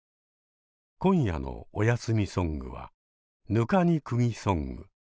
今夜の「おやすみソング」は「糠に釘ソング」。